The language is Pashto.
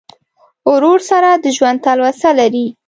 ورور سره د ژوند تلوسه لرې.